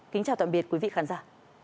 kính chào tạm biệt quý vị khán giả